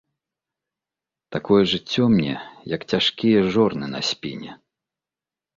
Такое жыццё мне, як цяжкія жорны на спіне.